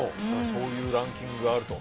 そういうランキングがあると。